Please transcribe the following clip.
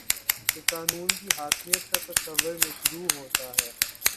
کہ قانون کی حاکمیت کا تصور مجروح ہوتا ہے